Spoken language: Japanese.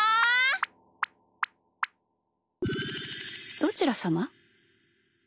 どちらさま？